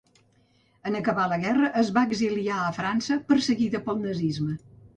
En acabar la guerra es va exiliar a França perseguida pel nazisme.